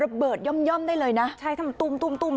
ระเบิดย่อมได้เลยนะใช่ทำตุ้มตุ้มตุ้ม